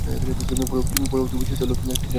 পরবর্তী বৈশিষ্ট্যটা হল টি-জংশন।